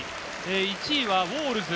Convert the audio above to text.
１位はウォールズ。